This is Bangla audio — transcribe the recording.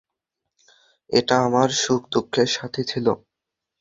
এটা আমার সুখ দুঃখের সাথী ছিলো।